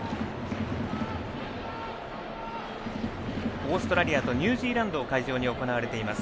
オーストラリアとニュージーランドを会場に行われています。